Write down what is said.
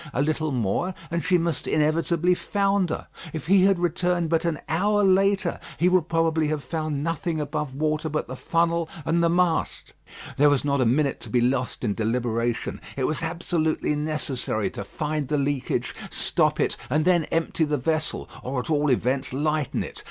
A little more, and she must inevitably founder. If he had returned but an hour later, he would probably have found nothing above water but the funnel and the mast. There was not a minute to be lost in deliberation. It was absolutely necessary to find the leakage, stop it, and then empty the vessel, or at all events, lighten it.